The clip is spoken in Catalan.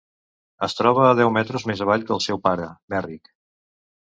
Es troba a deu metres més avall que el seu pare, Merrick.